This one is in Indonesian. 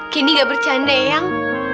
candy gak bercanda eyang